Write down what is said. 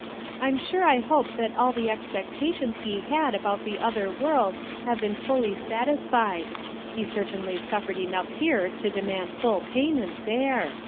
I'm sure I hope that all the expectations he had about the other world have been fully satisfied; he certainly suffered enough here to demand full payment there.